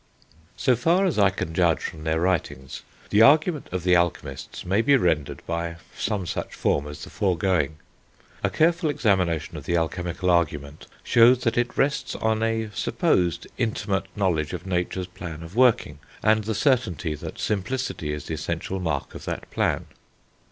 So far as I can judge from their writings, the argument of the alchemists may be rendered by some such form as the foregoing. A careful examination of the alchemical argument shows that it rests on a (supposed) intimate knowledge of nature's plan of working, and the certainty that simplicity is the essential mark of that plan.